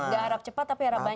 gak harap cepat tapi harap